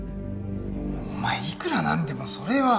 お前いくらなんでもそれは。